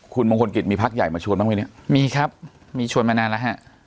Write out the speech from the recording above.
คุณมงคลกิจมีพักใหญ่มาชวนบ้างไหมเนี่ยมีครับมีชวนมานานแล้วฮะ